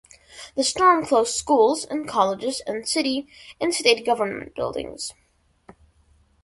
The storm closed schools and colleges and city and state government buildings.